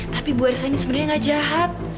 tapi bu arisa ini sebenarnya gak jahat